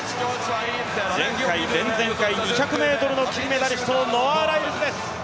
前回、前々回２００ｍの金メダリスト、ノア・ライルズです。